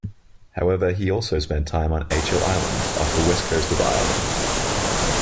However, he also spent time on Achill Island off the west coast of Ireland.